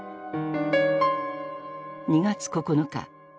２月９日。